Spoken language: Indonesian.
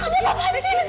kamu ngapain sih rizky